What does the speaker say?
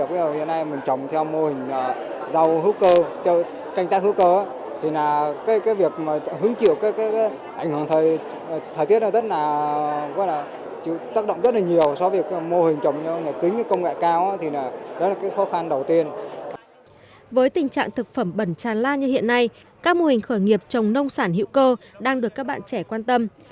với tình trạng thực phẩm bẩn tràn la như hiện nay các mô hình khởi nghiệp trồng nông sản hiệu cơ đang được các bạn trẻ quan tâm